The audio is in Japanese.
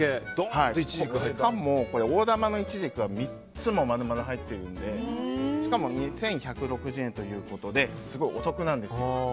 大玉のイチジクが３つも丸々入ってるのでしかも、２１６０円ということですごくお得なんですよ。